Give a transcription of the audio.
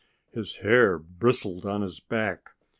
His hair bristled on his back.